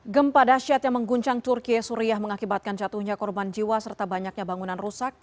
gempa dasyat yang mengguncang turkiye suriah mengakibatkan jatuhnya korban jiwa serta banyaknya bangunan rusak